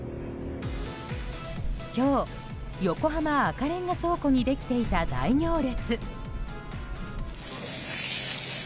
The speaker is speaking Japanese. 今日、横浜・赤レンガ倉庫にできていた大行列。